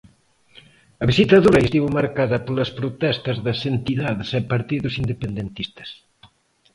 A visita do Rei estivo marcada polas protestas das entidades e partidos independentistas.